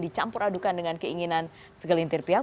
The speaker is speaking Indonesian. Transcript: dicampur adukan dengan keinginan segelintir pihak